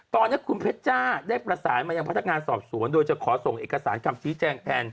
ตอนนี้คุณเพชรจ้าได้ประสานมายังพนักงานสอบสวนโดยจะขอส่งเอกสารคำชี้แจงแทน